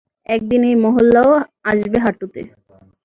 একদিন এই মহল্লাও আসবে হাঁটুতে।